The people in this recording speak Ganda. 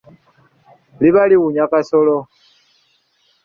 Liba liwunya kasolo.